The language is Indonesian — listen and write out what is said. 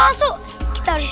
aku ke rumah